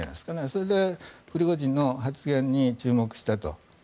それでプリゴジンの発言に注目したと。